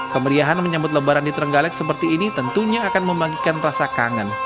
kemeriahan menyambut lebaran di trenggalek seperti ini tentunya akan membagikan rasa kangen